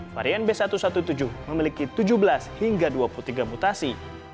varian b satu satu tujuh memiliki tujuh belas hingga dua puluh tiga mutasi